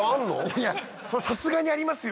いやさすがにありますよ！